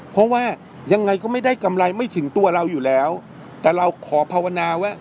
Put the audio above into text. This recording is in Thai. เพราะว่ายังไงก็ไม่ได้กำไรไม่ถึงตัวเราอยู่แล้วแต่เราขอภาวนาว่า